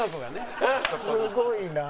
すごいな。